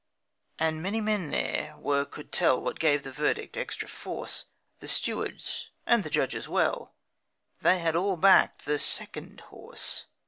And many men there were could tell What gave the verdict extra force: The stewards, and the judge as well They all had backed the second horse.